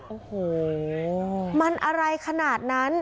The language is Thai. โอ้โหมันอะไรขนาดนั้น